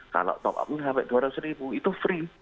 kalau top up sampai dua ratus ribu itu free